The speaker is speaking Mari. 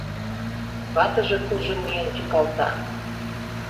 Ватыже куржын миен тӱкалта.